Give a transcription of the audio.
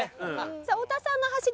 さあ太田さんの走り